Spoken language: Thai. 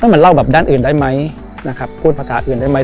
มันเล่าแบบด้านอื่นได้ไหมนะครับพูดภาษาอื่นได้ไหม